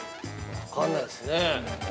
◆分からないですね。